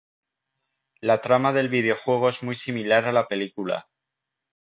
La trama del videojuego es muy similar a la película.